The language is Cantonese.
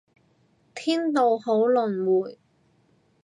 天道好輪迴